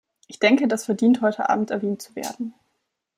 Ich denke, das verdient heute abend erwähnt zu werden.